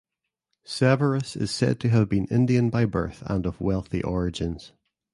Severus is said to have been Indian by birth and of wealthy origins.